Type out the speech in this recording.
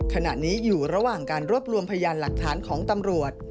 ขณะนี้อยู่ระหว่างการรวบรวมพยานหลักฐานของตำรวจ